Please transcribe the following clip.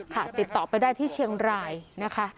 ติดต่อไปได้ที่เชียงรายนะคะ